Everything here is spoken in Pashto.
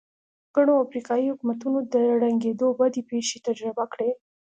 ګڼو افریقايي حکومتونو د ړنګېدو بدې پېښې تجربه کړې.